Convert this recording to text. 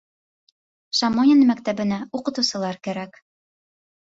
Шамонино мәктәбенә уҡытыусылар кәрәк.